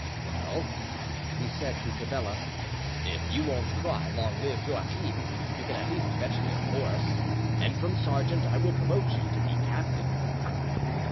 "Well," he said to Tavella, "if you won't cry 'Long live Joachim!' you can at least fetch me a horse, and from sergeant I will promote you to be captain."